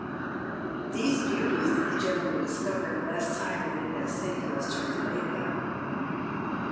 These beauties did the gentlemen discover in less time than it has taken us to relate them.